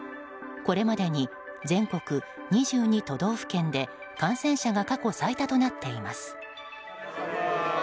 これまでに全国２２都道府県で感染者が過去最多となっています。